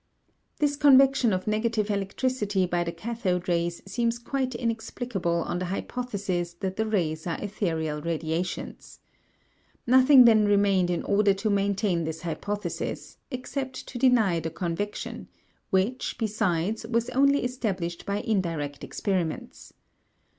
This convection of negative electricity by the cathode rays seems quite inexplicable on the hypothesis that the rays are ethereal radiations. Nothing then remained in order to maintain this hypothesis, except to deny the convection, which, besides, was only established by indirect experiments.